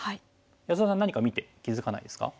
安田さん何か見て気付かないですか？